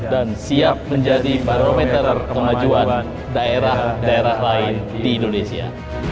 dan siap menjadi barometer kemajuan daerah daerah lain di indonesia